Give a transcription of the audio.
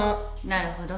なるほど。